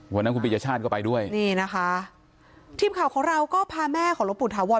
วันนั้นคุณปียชาติก็ไปด้วยนี่นะคะทีมข่าวของเราก็พาแม่ของหลวงปู่ถาวร